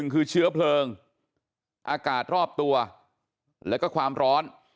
คือเชื้อเพลิงอากาศรอบตัวแล้วก็ความร้อน